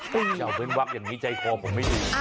เจ้าเว้นวักอย่างนี้ใจคอผมไม่ดี